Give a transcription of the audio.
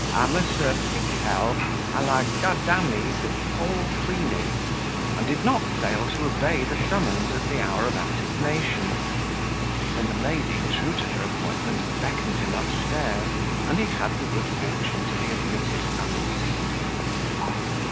Monsr. Pickhell, a la Gaddamme de Paul Freny, and did not fail to obey the summons at the hour of assignation; when the lady, true to her appointment, beckoned him up stairs, and he had the good fortune to be admitted unseen.